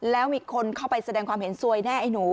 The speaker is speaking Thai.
แล้วมีคนเข้าไปแสดงความเห็นซวยแน่ไอ้หนู